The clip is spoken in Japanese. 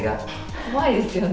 怖いですよね。